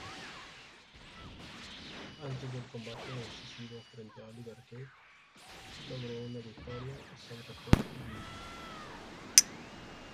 Antes del combate decisivo, frente a Oliver Kirk, logró una victoria sobre Fred Gilmore.